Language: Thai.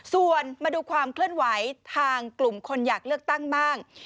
ส่วนมาดูความเคลื่อนไหวทางกลุ่มคนอยากเลือกตั้งบ้าง